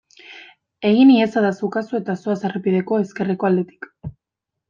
Egin iezadazu kasu eta zoaz errepideko ezkerreko aldetik.